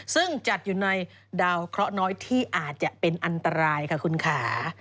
ซึ่งจัดอยู่ในดาวเคราะห์น้อยที่อาจจะเป็นอันตรายค่ะคุณค่ะ